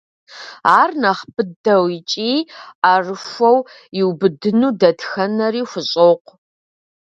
Ар нэхъ быдэу икӏи ӏэрыхуэу иубыдыну дэтхэнэри хущӏокъу.